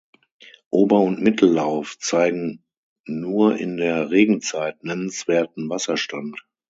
Ober- und Mittellauf zeigen nur in der Regenzeit nennenswerten Wasserstand.